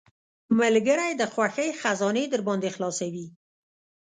ملګری د خوښۍ خزانې درباندې خلاصوي.